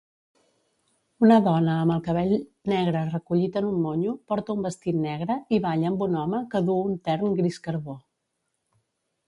Una dona amb el cabell negre recollit en un monyo porta un vestit negre i balla amb un home que du un tern gris carbó.